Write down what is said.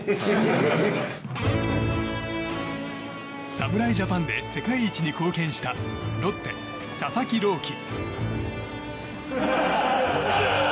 侍ジャパンで世界一に貢献したロッテ、佐々木朗希。